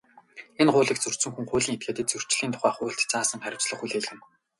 Энэ хуулийг зөрчсөн хүн, хуулийн этгээдэд Зөрчлийн тухай хуульд заасан хариуцлага хүлээлгэнэ.